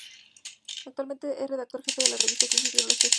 Actualmente es redactor jefe de la revista "Ciencia y Tecnología Espacial".